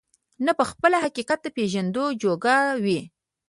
نه په خپله د حقيقت د پېژندو جوگه وي،